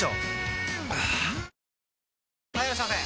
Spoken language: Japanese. はぁ・はいいらっしゃいませ！